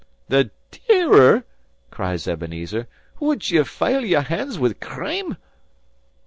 "The dearer?" cries Ebenezer. "Would ye fyle your hands wi' crime?"